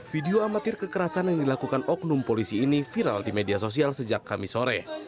video amatir kekerasan yang dilakukan oknum polisi ini viral di media sosial sejak kamis sore